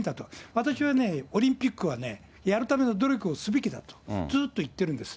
私はね、オリンピックはね、やるための努力をすべきだとずっと言ってるんですよ。